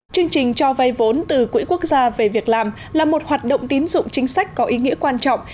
chương trình cho vay vốn từ quỹ quốc gia về việc làm là một hoạt động tín dụng chính sách có ý nghĩa quan trọng